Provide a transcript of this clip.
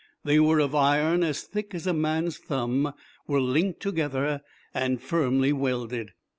They were of iron as thick as a man's thumb, were linked together, and firmly welded.